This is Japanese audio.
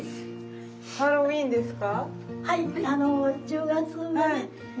ハロウィーンですか？